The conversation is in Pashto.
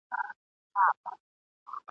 ځي لکه هوسۍ وي تورېدلې سارانۍ !.